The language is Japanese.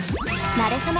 なれそめ！